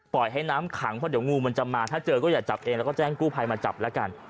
ให้น้ำขังเพราะเดี๋ยวงูมันจะมาถ้าเจอก็อย่าจับเองแล้วก็แจ้งกู้ภัยมาจับแล้วกัน